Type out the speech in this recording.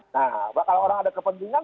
nah kalau orang ada kepentingan